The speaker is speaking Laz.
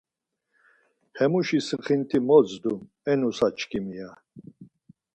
Hemuşi sixinti mot zdum e nusa-çkimi aaa…